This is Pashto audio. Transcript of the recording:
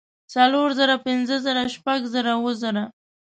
څلور زره پنځۀ زره شپږ زره اووه زره